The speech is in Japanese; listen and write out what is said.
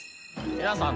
皆さん